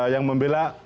yang membela agama allah